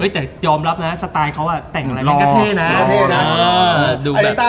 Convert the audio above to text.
ถ้ายอมรับสไตล์เขาอ่ะแต่งอะไรก็แท่แค่นั้น